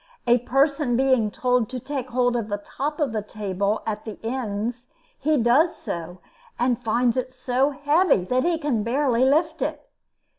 A person being told to take hold of the top of the table at the ends, he does so, and finds it so heavy that he can barely lift it.